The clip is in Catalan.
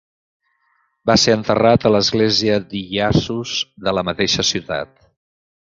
Va ser enterrat a l'església d'Iyasus de la mateixa ciutat.